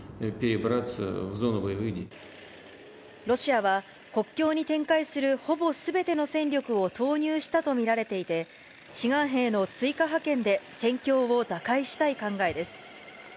ロシアは、国境に展開するほぼすべての戦力を投入したと見られていて、志願兵の追加派遣で戦況を打開したい考えです。